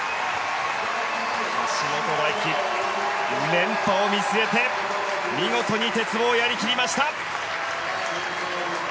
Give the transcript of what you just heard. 橋本大輝、連覇を見据えて見事に鉄棒をやり切りました。